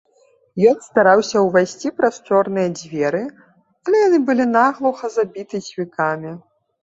Ён стараўся ўвайсці праз чорныя дзверы, але яны былі наглуха забіты цвікамі.